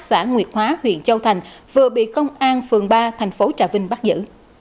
xã nguyệt hóa huyện châu thành vừa bị công an phường ba thành phố trà vinh bắt giữ